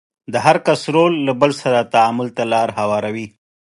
د هر کس رول له بل سره تعامل ته لار هواروي.